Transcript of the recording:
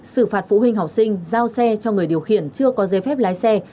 xử phạt phụ huynh học sinh giao xe cho người điều khiển chưa có giấy phép lái xe